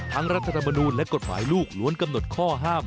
รัฐธรรมนูลและกฎหมายลูกล้วนกำหนดข้อห้าม